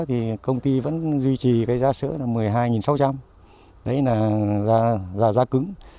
thì công ty vẫn duy trì cái giá sữa là một mươi hai sáu trăm linh đấy là giả da cứng